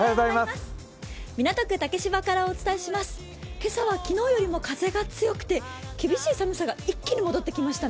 今朝は昨日よりも風が強くて厳しい寒さが戻ってきましたね。